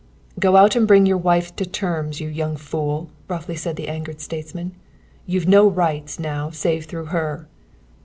"Go out and bring your wife to terms, you young fool," roughly said the angered statesman. "You've no rights, now, save through her."